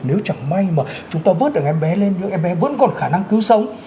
em bé vẫn còn khả năng cứu sống